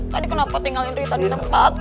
tadi kenapa tinggalin rita di tempat